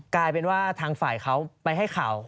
กลายเป็นว่าทางฝ่ายเขาไปให้ข่าว